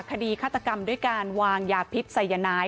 คดีฆาตกรรมด้วยการวางยาพิษไซยานาย